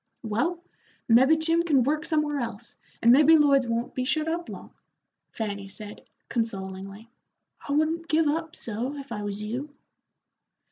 "Well, mebbe Jim can work somewhere else, and mebbe Lloyd's won't be shut up long," Fanny said, consolingly. "I wouldn't give up so, if I was you."